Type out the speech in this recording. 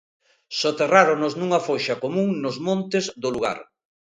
Soterráronos nunha foxa común nos montes do lugar.